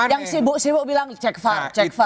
yang sibuk sibuk bilang cek far cek far